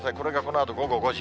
これがこのあと午後５時。